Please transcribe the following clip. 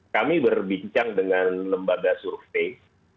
kami berbincang dengan lembaga survei